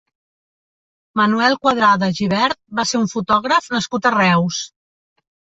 Manuel Cuadrada Gibert va ser un fotògraf nascut a Reus.